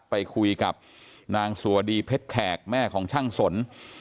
ไปคุยกับนางสัวดีเพชรแขกแม่ของช่างสน